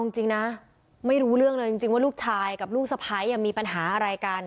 จริงนะไม่รู้เรื่องเลยจริงว่าลูกชายกับลูกสะพ้ายมีปัญหาอะไรกัน